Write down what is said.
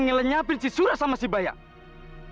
ngelenyapin si surah sama si bayang